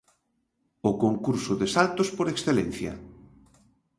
O concurso de saltos por excelencia.